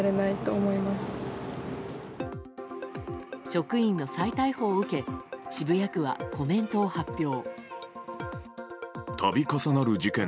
職員の再逮捕を受け渋谷区はコメントを発表。